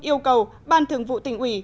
yêu cầu ban thường vụ tỉnh ủy